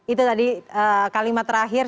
itu tadi kalimat terakhir